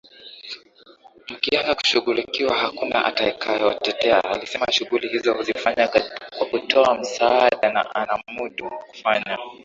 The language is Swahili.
mkianza kushughulikiwa hakuna atakayewateteaAlisema shughuli hizo huzifanya kwa kutoa msaada na anamudu kufanya